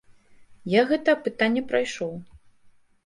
Я гэта апытанне прайшоў.